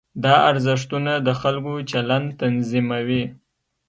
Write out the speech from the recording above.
دا ارزښتونه د خلکو چلند تنظیموي.